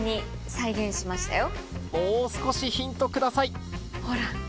もう少しヒントください